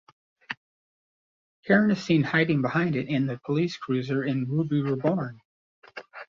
Karen is seen hiding behind it in the Police Cruiser in Ruby Reborn.